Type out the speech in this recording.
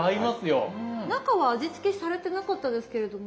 中は味付けされてなかったですけれども。